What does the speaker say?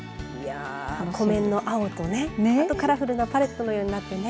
湖面の青とカラフルなパレットのようになってね。